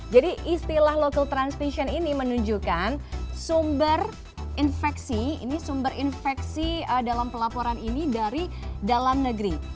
jadi istilah local transmission ini menunjukkan sumber infeksi dalam pelaporan ini dari dalam negeri